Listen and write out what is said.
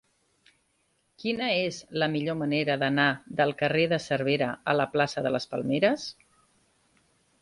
Quina és la millor manera d'anar del carrer de Cervera a la plaça de les Palmeres?